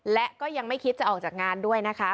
และก็ยังไม่คิดจะออกจากงานด้วยนะคะ